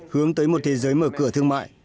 hướng tới một thế giới mở cửa thương mại